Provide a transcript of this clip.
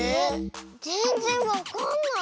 ぜんぜんわかんない。